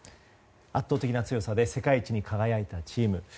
圧倒的な強さで世界一に輝いたチーム。